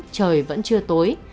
trời vẫn chưa tối